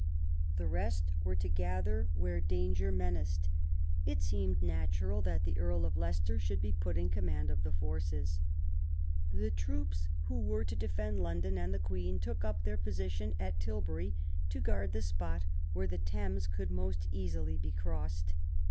The rest were to gather where danger menaced. It seemed natural that the Earl of Leicester should be put in command of the forces. 234 QUEEN ELIZABETH. The troops who were to defend London and the Queen took up their position at Tilbury to guard the spot where the Thames could most easily be crossed.